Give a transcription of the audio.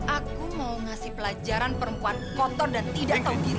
aku mau ngasih pelajaran perempuan kotor dan tidak tahu diri